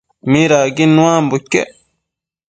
midacquid nuambo iquec?